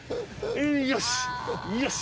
よし！